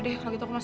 baca buku di perpus